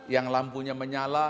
yang lampunya menyala